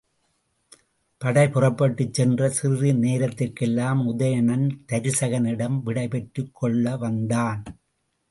படை புறப்பட்டுச் சென்ற சிறிது நேரத்திற்கெல்லாம் உதயணன் தருசகனிடம் விடை பெற்றுக்கொள்ள வந்தான்.